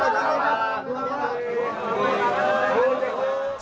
jangan lupa jangan lupa jangan lupa